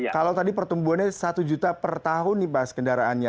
kalau tadi pertumbuhannya satu juta per tahun nih bahas kendaraannya